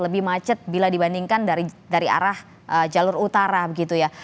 lebih macet bila dibandingkan dari arah jalur utara begitu ya